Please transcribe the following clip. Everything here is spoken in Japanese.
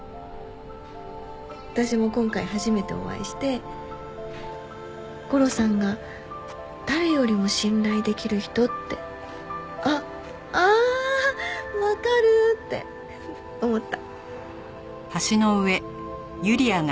私も今回初めてお会いしてゴロさんが誰よりも信頼できる人って「あっああ！わかる！」って思った。